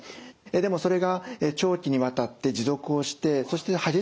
でもそれが長期にわたって持続をしてそして激しくてですね